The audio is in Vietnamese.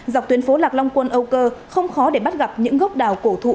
dọc tuyến phố lạc long quân âu cơ không khó để bắt gặp những gốc đào cổ thụ